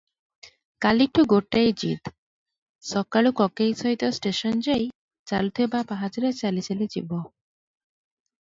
କାଲିଠୁ ଗୋଟିଏ ଜିଦ, ସକାଳୁ କକେଇ ସହିତ ଷ୍ଟେସନ ଯାଇ ଚାଲୁଥିବା ପାହାଚରେ ଚାଲି ଚାଲି ଯିବ